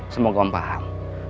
semoga om paham